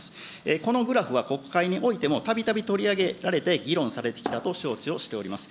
このグラフは国会においても、たびたび取り上げられて、議論されてきたと承知をしております。